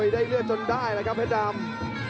ได้เลือดจนได้แล้วครับเพชรดำ